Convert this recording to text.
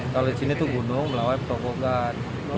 kalau di sini itu gunung melawai petokokan